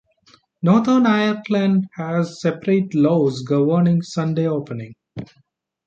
Northern Ireland has separate laws governing Sunday opening.